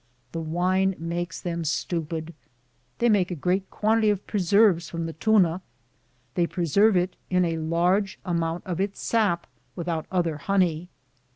The wine makes them stupid. They make a great quantity of preserves from the tuna; they preserve it in a large amount of its sap without other honey.